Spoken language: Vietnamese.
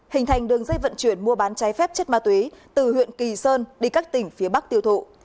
hình thành đường dây vận chuyển mua bán trái phép chất ma túy từ huyện kỳ sơn đi các tỉnh phía bắc tiêu thụ